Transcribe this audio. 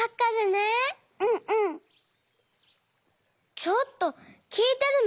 ちょっときいてるの？